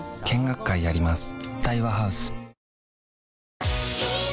見学会やります